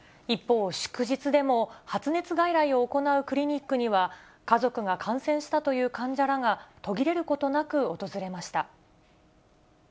一方、祝日でも発熱外来を行うクリニックには、家族が感染したという患者らが、途切れることなく訪れました。